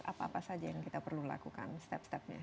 apa apa saja yang kita perlu lakukan step stepnya